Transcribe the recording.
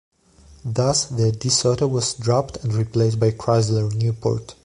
Thus the DeSoto was dropped and replaced by Chrysler Newport.